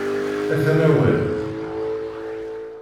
Atan awal.